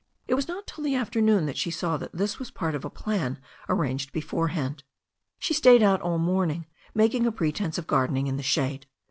It was not till the afternoon that she saw that this was part of a plan arranged beforehand. She stayed out all the morning, making a pretence of gardening in the shade.